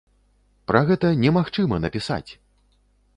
Пра гэта немагчыма напісаць!